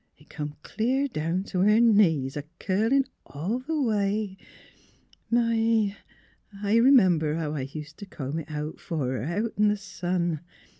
It come clear down t' her knees, a curlin' all the way. ... My! I r 'member how I used t' comb it fer her, out in the sun.